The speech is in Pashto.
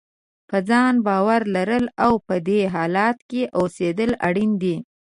په ځان باور لرل او په دې حالت کې اوسېدل اړین دي.